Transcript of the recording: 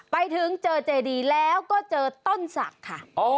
ไปเจอเจดีแล้วก็เจอต้นศักดิ์ค่ะ